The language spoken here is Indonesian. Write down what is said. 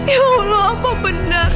ya allah apa benar